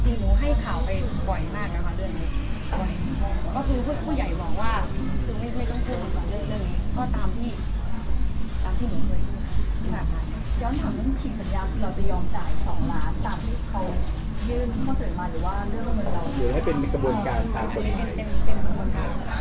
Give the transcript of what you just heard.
หรือให้เป็นกระบวนการตามผลใหม่